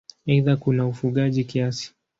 Aidha kuna ufugaji kiasi.